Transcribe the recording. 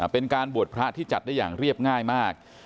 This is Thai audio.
เป็นการบวชพระที่จัดได้อย่างเรียบง่ายมาก